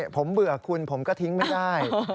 ผมเบื่อคุณผมก็ทิ้งไม่ได้